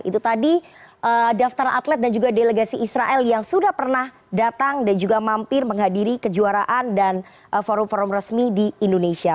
itu tadi daftar atlet dan juga delegasi israel yang sudah pernah datang dan juga mampir menghadiri kejuaraan dan forum forum resmi di indonesia